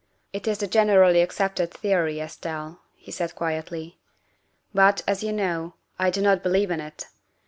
"It is the generally accepted theory, Estelle," he said quietly, " but, as you know, I do not believe in it.